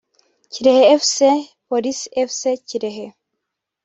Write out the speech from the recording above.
Kirehe Fc vs Police Fc (Kirehe)